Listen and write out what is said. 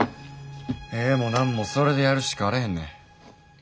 ええも何もそれでやるしかあれへんねん。